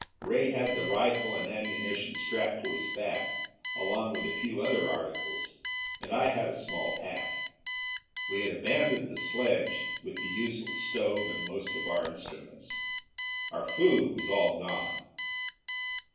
Ray had the rifle and ammunition strapped to his back, along with a few other articles; and I had a small pack. We had abandoned the sledge, with the useless stove and the most of our instruments. Our food was all gone.